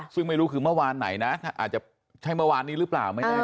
ซึ่งไม่รู้คือเมื่อวานไหนนะอาจจะใช่เมื่อวานนี้หรือเปล่าไม่แน่